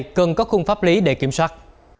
ngân hàng cần có khuôn pháp lý để kiểm soát